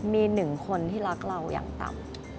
มีหนึ่งคนที่รักเราอย่างต่ำ